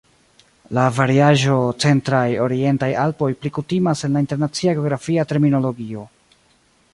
La variaĵo "Centraj Orientaj Alpoj" pli kutimas en la internacia geografia terminologio.